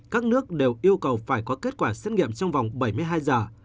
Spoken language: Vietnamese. các nước đều yêu cầu phải có kết quả xét nghiệm trong vòng bảy mươi hai giờ